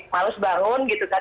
males bangun gitu kan